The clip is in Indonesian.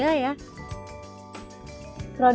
sally yang baru memutuskan untuk berhijab